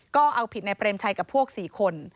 ก็เอาผิดในเปรมชัยกับพวก๔คน